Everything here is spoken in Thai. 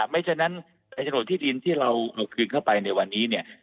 ไม่ไฉ้นั้นไทยชะนดที่ดินที่เรากลิ่นเข้าในวันนี้